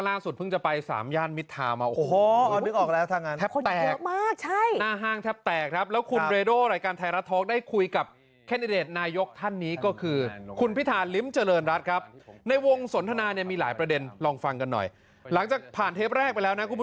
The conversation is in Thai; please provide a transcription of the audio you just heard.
คุณผู้ชมมาถึงตอนนี้คุณผู้ชมมาถึงตามโซเชียลเป็นประจำถ่ายต่อไปต้องเห็นเขาครับแล้วก็